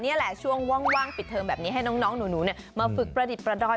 นี่แหละช่วงว่างปิดเทิมแบบนี้ให้น้องหนูมาฝึกประดิษฐ์ประดอย